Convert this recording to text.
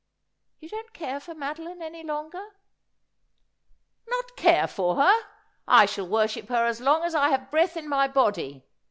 ' You don't care for Madoline any longer ?'' Not care for her ! I shall worship her as long as T have breath in my body.